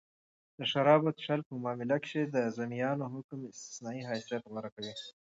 د شرابو څښل په معامله کښي د ذمیانو حکم استثنايي حیثت غوره کوي.